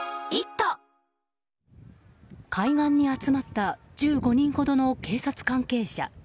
海岸に集まった１５人ほどの警察関係者。